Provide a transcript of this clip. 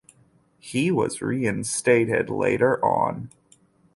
He was reinstated later on.